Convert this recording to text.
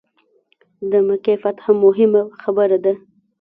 د مکې فتح موهمه خبره ده.